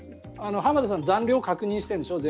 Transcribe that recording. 浜田さんは全部残量を確認してるんでしょ。